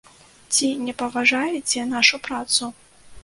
Ці не паважаеце нашу працу?